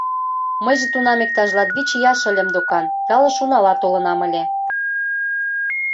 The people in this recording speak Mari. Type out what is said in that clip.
Мыйже тунам иктаж латвич ияш ыльым докан, ялыш унала толынам ыле.